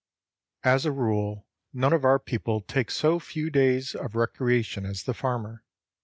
As a rule none of our people take so few days of recreation as the farmer.